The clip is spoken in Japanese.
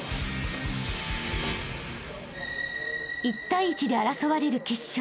［１対１で争われる決勝］